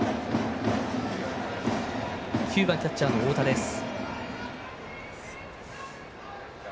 ９番、キャッチャーの太田です。